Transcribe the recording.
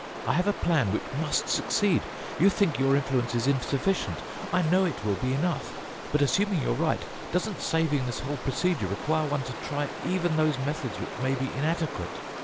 "I have a plan which must succeed. You think your influence is insufficient. I know it will be enough. But assuming you're right, doesn't saving this whole procedure require one to try even those methods which may be inadequate?